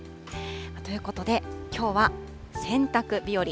ということできょうは洗濯日和。